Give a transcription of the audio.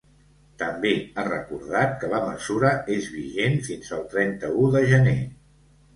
També ha recordat que la mesura és vigent fins el trenta-u de gener.